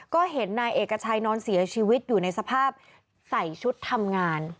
ก็เห็นนายเอกชัยนอนเสียชีวิตอยู่ในสภาพใส่ชุดทำงาน